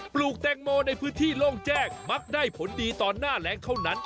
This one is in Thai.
ลูกแตงโมในพื้นที่โล่งแจ้งมักได้ผลดีตอนหน้าแรงเท่านั้น